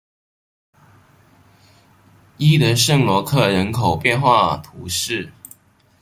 伊德圣罗克人口变化图示